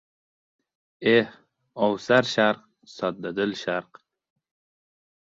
— Eh, ovsar Sharq, soddadil Sharq!